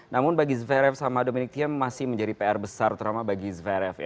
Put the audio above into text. namun bagi zverev sama domenitia masih menjadi pr besar terutama bagi zverev